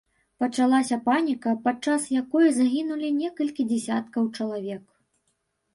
Пачалася паніка, падчас якой загінулі некалькі дзясяткаў чалавек.